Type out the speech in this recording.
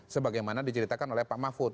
sebagaimana diceritakan oleh pak mahfud